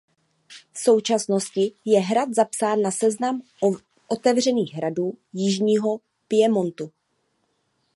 V současnosti je hrad zapsán na seznam „Otevřených hradů“ jižního Piemontu.